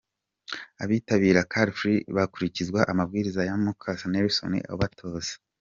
Abitabira Car Free bakurikiza amabwiriza ya Mukasa Nelson uba abatoza.